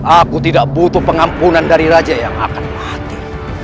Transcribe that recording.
aku tidak butuh pengampunan dari raja yang akan mati